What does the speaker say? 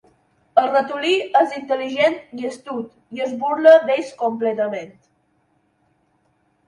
El ratolí és intel·ligent i astut i es burla d'ells completament.